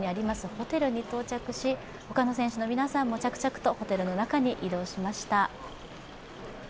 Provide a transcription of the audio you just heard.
ホテルに到着し他の選手の皆さんも着々とホテルの中に移動しました。